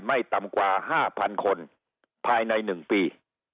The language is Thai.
ไม่ต่ำกว่า๕๐๐๐คนภายใน๑ปี